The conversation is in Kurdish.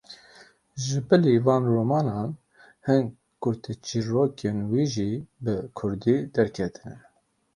Ji bilî van romanan, hin kurteçîrrokên wî jî bi kurdî derketine.